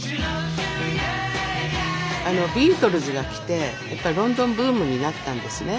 ビートルズが来てロンドンブームになったんですね。